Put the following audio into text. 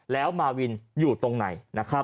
แล้วมาวินอยู่ตรงไหน